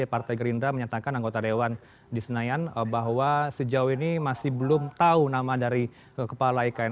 partai gerindra menyatakan anggota dewan di senayan bahwa sejauh ini masih belum tahu nama dari kepala ikn